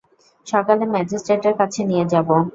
সকালে ম্যাজিস্ট্রেটের কাছে নিয়ে যাবো।